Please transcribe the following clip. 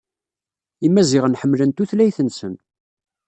Imaziɣen ḥemmlen tutlayt-nsen.